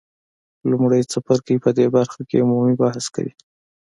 لومړی څپرکی په دې برخه کې عمومي بحث کوي.